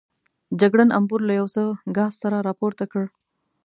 جګړن امبور له یو څه ګاز سره راپورته کړ.